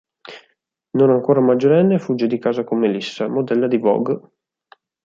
Non ancora maggiorenne fugge di casa con Melissa, modella di Vogue.